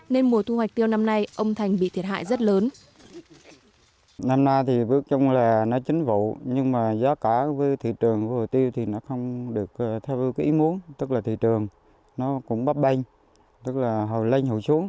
nên mùa thu hoạch tiêu năm nay ông thành bị thiệt hại rất lớn